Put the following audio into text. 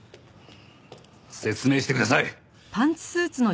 説明してください！